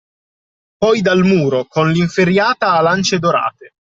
Poi dal muro con l’inferriata a lance dorate.